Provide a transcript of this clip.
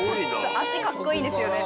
足かっこいいんですよね。